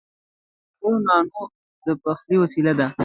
تنور د ځانگړو نانو د پخلي وسیله ده